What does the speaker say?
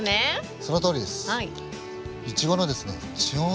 そのとおりです。